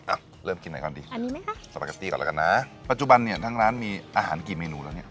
อ่ะเริ่มกินไหนค่อนกี่สปาเกตตี้ก่อนแล้วกันนะปัจจุบันนี่ทางร้านมีอาหารกี่เมนูแล้วเนี่ย